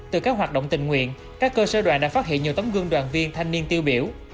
từ các hoạt động tình nguyện các cơ sở đoàn đã phát hiện nhiều tấm gương đoàn viên thanh niên tiêu biểu